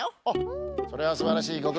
あっそれはすばらしい。